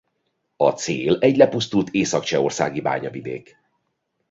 A cél egy lepusztult észak-csehországi bányavidék.